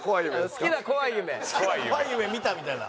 「好きな怖い夢見た？」みたいな。